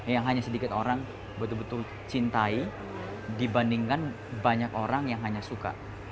yang hanya sedikit orang betul betul cintai dibandingkan banyak orang yang hanya suka